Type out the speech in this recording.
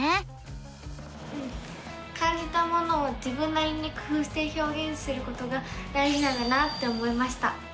うん感じたものを自分なりに工ふうしてひょうげんすることが大じなんだなって思いました！